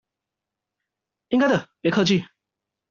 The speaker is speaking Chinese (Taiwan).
應該的，別客氣！